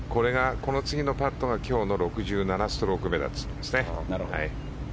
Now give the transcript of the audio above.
この次のパットが今日の６７ストローク目だったんですね。